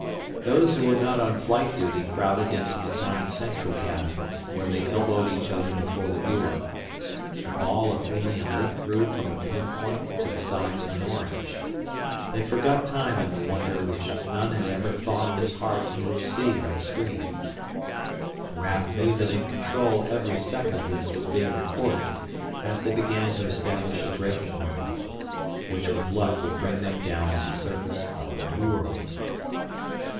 Those who were not on flight duty crowded into the tiny central cabin, where they elbowed each other before the viewer. The ball of alien earth grew from a pinpoint to the size of an orange. They forgot time in the wonder which none had ever thought in his heart he would see on the screen. Raf knew that in control every second of this was being recorded as they began to establish a braking orbit, which with luck would bring them down on the surface of the new world.